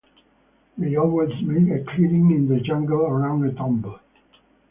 They always make a clearing in the jungle around a tomb.